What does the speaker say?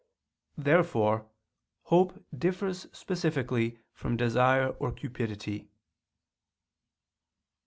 Therefore hope differs specifically from desire or cupidity.